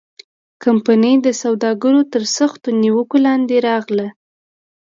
کمپنۍ د سوداګرو تر سختو نیوکو لاندې راغله.